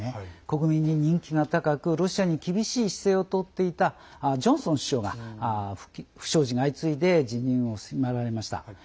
国民に人気が高くロシアに厳しい姿勢をとっていたジョンソン首相が不祥事が相次いで辞任を迫られました。